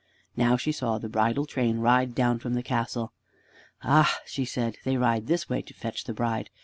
Now she saw the bridal train ride down from the castle. "Ah," she said, "they ride this way to fetch the bride.